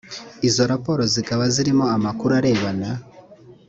izo raporo zikaba zirimo amakuru arebana